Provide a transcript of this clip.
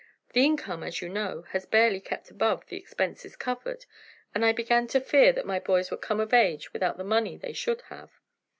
The income, as you know, has barely kept the expenses covered, and I began to fear that my boys would come of age without the money they should have."